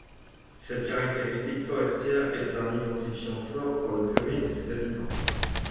Cette caractéristique forestière est un identifiant fort pour la commune et ses habitants.